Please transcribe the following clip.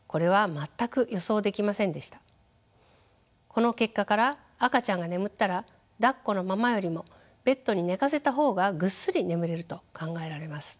この結果から赤ちゃんが眠ったらだっこのままよりもベッドに寝かせた方がぐっすり眠れると考えられます。